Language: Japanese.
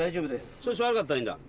調子悪かったらいいんだ。